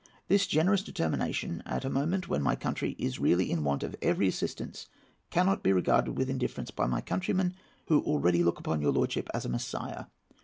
This generous determination, at a moment when my country is really in want of every assistance, cannot be regarded with indifference by my countrymen, who already look upon your lordship as a Messiah.